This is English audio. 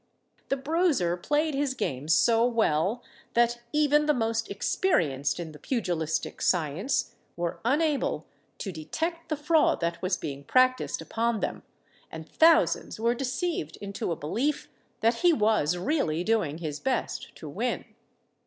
The Bruiser played his game so well, that even the most experienced in the pugilistic science were unable to detect the fraud that was being practised upon them; and thousands were deceived into a belief that he was really doing his best to win.